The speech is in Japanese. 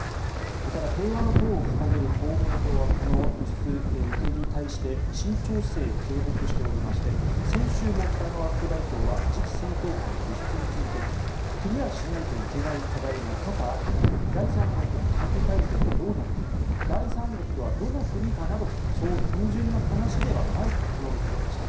ただ、平和の党を掲げる公明党はこの輸出、移転に対して慎重姿勢を継続しておりまして先週も北側副代表は次期戦闘機の輸出についてクリアしないといけない課題が多々ある第三国の管理体制がどうなるか第三国とはどの国かなどそう単純な話ではないと述べていました。